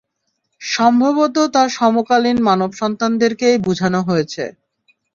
সম্ভবত তাঁর সমকালীন মানব সন্তানদেরকেই বুঝানো হয়েছে।